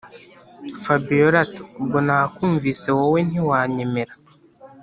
fabiora ati”ubwo nakumvise wowe ntiwanyemera”